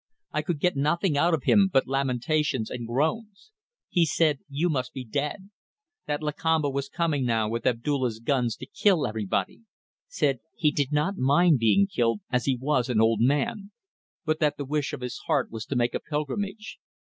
I could get nothing out of him but lamentations and groans. He said you must be dead. That Lakamba was coming now with Abdulla's guns to kill everybody. Said he did not mind being killed, as he was an old man, but that the wish of his heart was to make a pilgrimage.